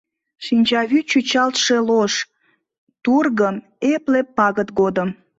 Шинчавӱд чӱчалтше лош — Тургым, эпле пагыт годым.